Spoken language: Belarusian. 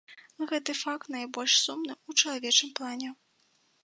Гэты факт найбольш сумны ў чалавечым плане.